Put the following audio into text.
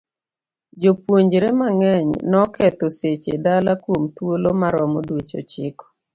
Jopuonjre mang'eny noketho seche dala kuom thuolo maromo dweche ochiko.